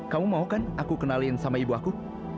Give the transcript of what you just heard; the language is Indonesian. kamu mau kan aku kenalin sama ibu aku